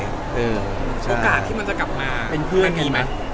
โอกาสที่มันจะกลับมาเป็นเพื่อนมีไหม